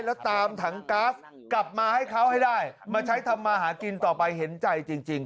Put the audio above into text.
แล้วตามถังก๊าซกลับมาให้เขาให้ได้มาใช้ทำมาหากินต่อไปเห็นใจจริง